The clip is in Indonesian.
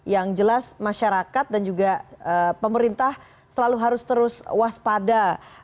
yang jelas masyarakat dan juga pemerintah selalu harus terus waspada